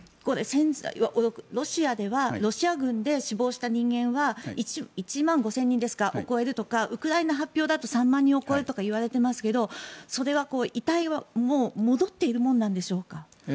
ロシアではロシア軍で死亡した人間は１万５０００人を超えるとかウクライナの発表だと３万人を超えるとかいわれていますがそれは遺体は戻っているものなのでしょうか。